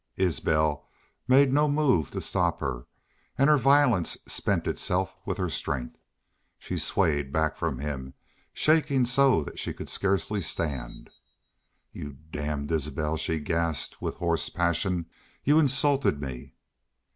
Isbel made no move to stop her, and her violence spent itself with her strength. She swayed back from him, shaking so that she could scarcely stand. "Y'u damned Isbel!" she gasped, with hoarse passion. "Y'u insulted me!"